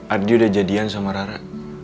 ardi udah jadian sama rara